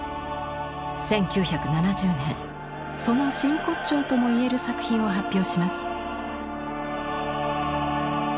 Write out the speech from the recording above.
１９７０年その真骨頂ともいえる作品を発表します。